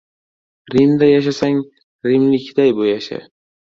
Rimda yashasang, rimlikday yasha.